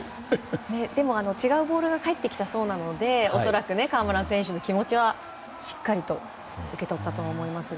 でも、違うボールが返ってきたそうなので恐らく河村選手の気持ちはしっかりと受け取ったと思いますが。